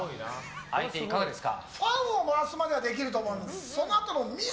相手、いかがですか。